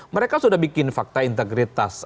mereka sudah bikin fakta integritas